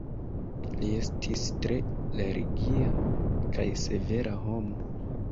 Li estis tre religia kaj severa homo.